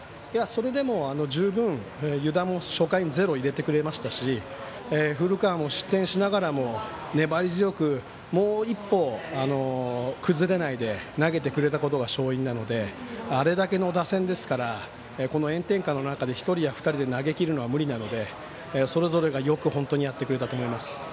それでも十分、湯田も初回ゼロを入れてくれましたし古川も失点しながらも粘り強くもう一歩崩れないで投げてくれたことが勝因なのであれだけの打線ですから、この炎天下の中で１人や２人で投げきるのは無理なのでそれぞれが本当によくやってくれたと思います。